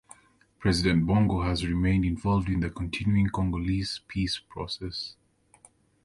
President Bongo has remained involved in the continuing Congolese peace process.